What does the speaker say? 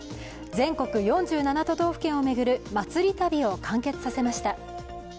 全国４７都道府県を巡るまつり旅を完結させました。